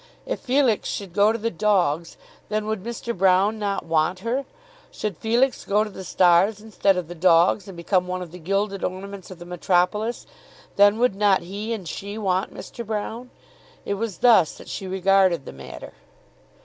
If Felix should go to the dogs, then would Mr. Broune not want her. Should Felix go to the stars instead of the dogs, and become one of the gilded ornaments of the metropolis, then would not he and she want Mr. Broune. It was thus that she regarded the matter.